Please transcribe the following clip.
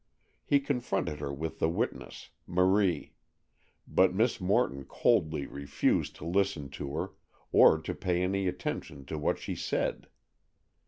He confronted her with the witness, Marie, but Miss Morton coldly refused to listen to her, or to pay any attention to what she said.